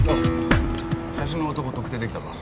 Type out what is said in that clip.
写真の男特定出来たぞ。